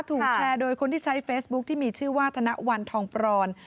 ถูกแชร์โดยคนที่ใช้เฟซบุ๊คที่มีชื่อว่าธนวันทองปรอน